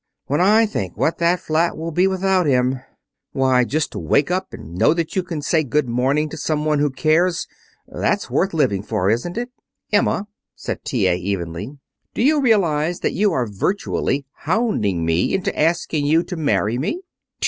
When I think of what that flat will be without him Why, just to wake up and know that you can say good morning to some one who cares! That's worth living for, isn't it?" "Emma," said T.A. evenly, "do you realize that you are virtually hounding me into asking you to marry me?"